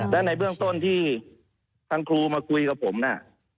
และในเบื้องต้นที่ทางครูมาคุยกับผมน่ะ